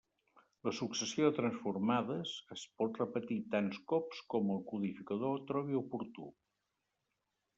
La successió de transformades es pot repetir tants cops com el codificador trobi oportú.